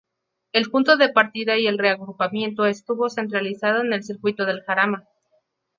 El punto de partida y el reagrupamiento estuvo centralizado en el Circuito del Jarama.